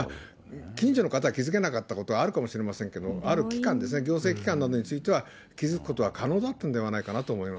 近所の方は気付けなかったことはあるかもしれませんけど、ある機関ですね、行政機関などについては、気付くことは可能だったんではないかなと思います。